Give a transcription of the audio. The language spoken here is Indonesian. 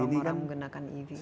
jadi memang ev ini